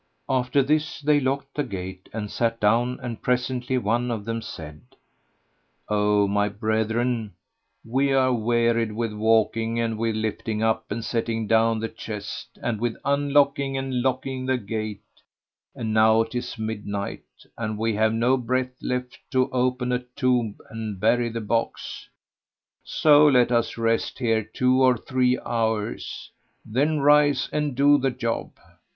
After this they locked the gate and sat down; and presently one of them said, "O my brethren, we are wearied with walking and with lifting up and setting down the chest, and with unlocking and locking the gate; and now 'tis midnight, and we have no breath left to open a tomb and bury the box: so let us rest here two or three hours, then rise and do the job.